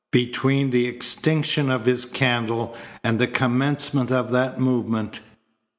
Between the extinction of his candle and the commencement of that movement!